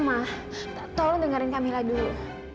ma tolong dengerin kamila dulu